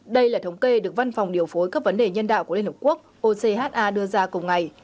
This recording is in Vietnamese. đây là thống kê được văn phòng điều phối các vấn đề nhân đạo của liên hợp quốc ocha đưa ra cùng ngày